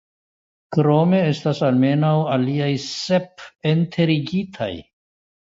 Krome estas almenaŭ aliaj sep enterigitaj.